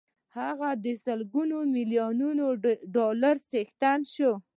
هغه د سلګونه ميليونه ډالرو څښتن شو.